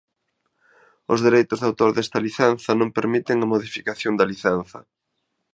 Os dereitos de autor desta licenza non permiten a modificación da licenza.